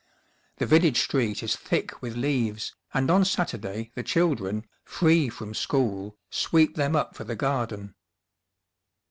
The village street is thick with leaves, and on Saturday the children, free from school, sweep them up for the garden.